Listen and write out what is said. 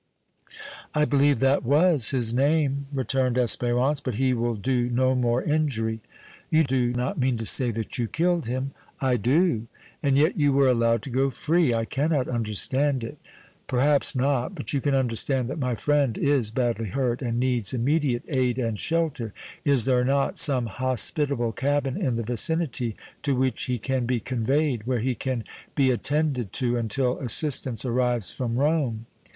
"I believe that was his name," returned Espérance. "But he will do no more injury!" "You do not mean to say that you killed him?" "I do." "And yet you were allowed to go free! I cannot understand it!" "Perhaps not, but you can understand that my friend is badly hurt and needs immediate aid and shelter. Is there not some hospitable cabin in the vicinity to which he can be conveyed, where he can be attended to until assistance arrives from Rome?"